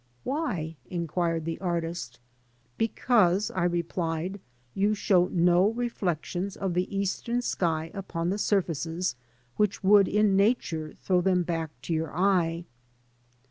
''Why?'' inquired the artist. "Because," I replied, "you show no reflections of the eastern sky upon the surfaces which would in Nature throw them back to your eye.'